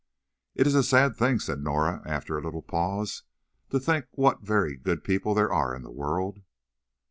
"It is a sad thing," said Norah, after a little pause, "to think what very good people there are in the world."